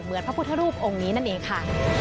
พระพุทธรูปองค์นี้นั่นเองค่ะ